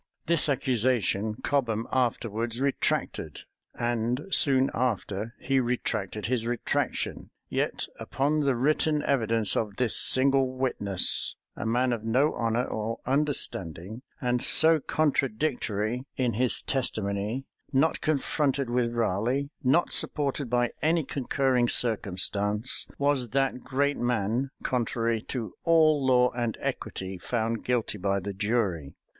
This accusation Cobham afterwards retracted; and, soon after, he retracted his retractation. Yet upon the written evidence of this single witness, a man of no honor or understanding, and so contradictory in his testimony; not confronted with Raleigh; not supported by any concurring circumstance; was that great man, contrary to all law and equity, found guilty by the jury.